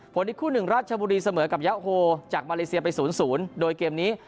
อีกคู่หนึ่งราชบุรีเสมอกับยาโฮจากมาเลเซียไป๐๐โดยเกมนี้